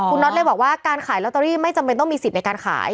คุณน็อตเลยบอกว่าการขายลอตเตอรี่ไม่จำเป็นต้องมีสิทธิ์ในการขาย